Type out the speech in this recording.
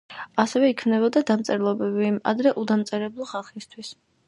ასევე იქმნებოდა დამწერლობები ადრე უდამწერლობო ხალხისთვის.